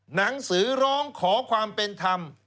หนังสือร้องขอความเป็นธรรม